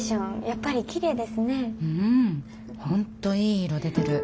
うん本当いい色出てる。